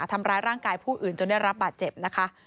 ทำร้ายร่างกายผู้อื่นจนได้รับบาดเจ็บนะคะ